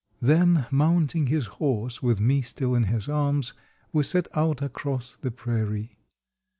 Then, mounting his horse, with me still in his arms, we set out across the prairie.